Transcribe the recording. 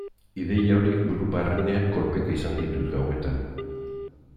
Ideia horiek buru barrenean kolpeka izan ditut gauetan.